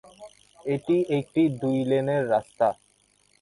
এটি একটি দুই-লেনের রাস্তা।